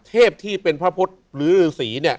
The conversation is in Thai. เทพที่เป็นพระพฤษฤษีเนี่ย